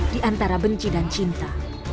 di antara benci dan cinta